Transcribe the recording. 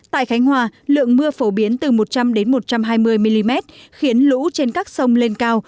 tại khánh hòa lượng mưa phổ biến từ một trăm linh một trăm hai mươi mm khiến lũ trên các sông lên cao